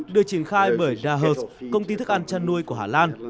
được triển khai bởi da công ty thức ăn chăn nuôi của hà lan